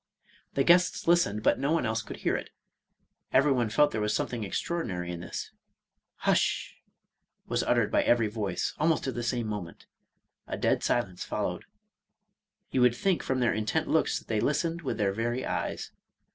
The guests listened, but no one else could hear it; — everyone felt there was something extraordinary in this. Hush 1 was littered by every voice almost at the same moment. A dead silence followed, — ^you would think, from their intent looks, that they listened with their very eyes.